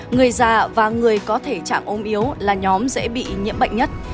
người già và người có thể trạng ôm yếu là nhóm dễ bị nhiễm bệnh nhất